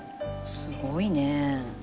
すごいね。